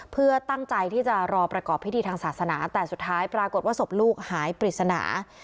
เพื่อตั้งใจที่จะรอประกอบพิธีทางศาสนาแต่สุดท้ายปรากฏว่าศพลูกหายปริศนา